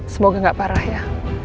semoga nggak parah ya